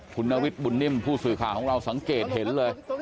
คุณนฤทธบุญนิ่มผู้สื่อข่าวของเราสังเกตเห็นเลย